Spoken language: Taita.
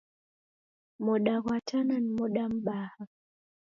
Moda ghwa Tana ni moda mbaha.